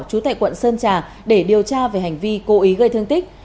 trú tại quận sơn trà để điều tra về hành vi cố ý gây thương tích